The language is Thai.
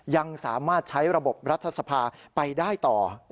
ยังสามารถใช้ระบบรัฐสภาไปได้ต่อ